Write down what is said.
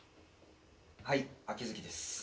はい秋月です。